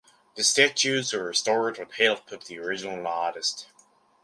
The statues were restored with help of the original artist.